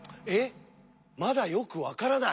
まだよくわからない？